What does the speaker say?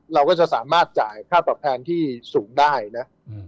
เราก็จะสามารถจ่ายค่าตอบแทนที่สูงได้นะ